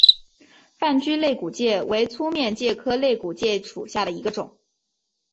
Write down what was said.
范睢肋骨介为粗面介科肋骨介属下的一个种。